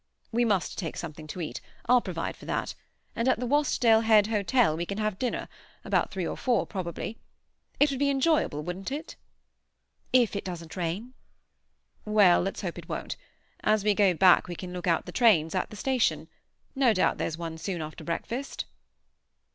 "We must take something to eat; I'll provide for that. And at the Wastdale Head hotel we can have dinner—about three or four, probably. It would be enjoyable, wouldn't it?" "If it doesn't rain." "We'll hope it won't. As we go back we can look out the trains at the station. No doubt there's one soon after breakfast."